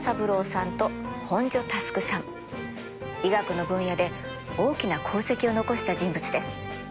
医学の分野で大きな功績を残した人物です。